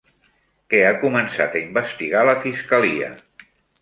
Què ha començat a investigar la fiscalia?